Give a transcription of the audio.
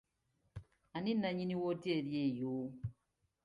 Ani nnanyini woteeri eyo?